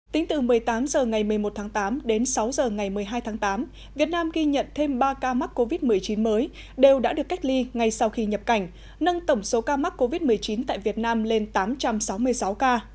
tính từ một mươi tám h ngày một mươi một tháng tám đến sáu h ngày một mươi hai tháng tám việt nam ghi nhận thêm ba ca mắc covid một mươi chín mới đều đã được cách ly ngay sau khi nhập cảnh nâng tổng số ca mắc covid một mươi chín tại việt nam lên tám trăm sáu mươi sáu ca